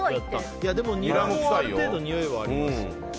でも、ニラもある程度においはありますよね。